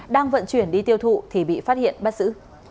đang vận chuyển đi tiêu thụ thì bị phát hiện bắt giữ